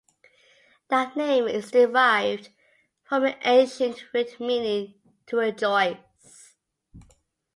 That name is derived from an ancient root meaning "to rejoice".